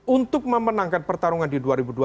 untuk memenangkan pertarungan di dua ribu dua puluh